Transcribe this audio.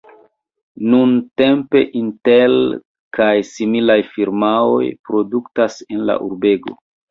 Nuntempe Intel kaj similaj firmaoj produktas en la urbego.